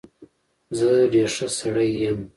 زه ډېر ښه سړى يم.